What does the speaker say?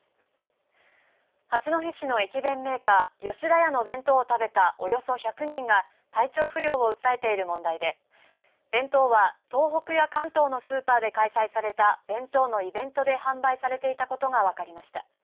八戸市の駅弁メーカー吉田屋の弁当を食べたおよそ１００人が体調不良を訴えている問題で弁当は東北や関東のスーパーで開催された弁当のイベントで販売されていたことが分かりました。